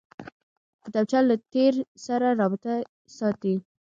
کتابچه له تېر سره رابطه ساتي